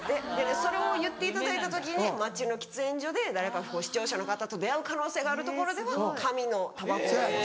それを言っていただいた時に街の喫煙所で誰か視聴者の方と出会う可能性があるところでは紙のたばこを吸おうと。